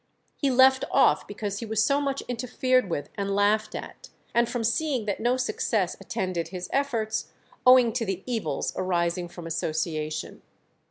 He left off because he was so much interfered with and laughed at, and from seeing that no success attended his efforts, owing to the evils arising from association."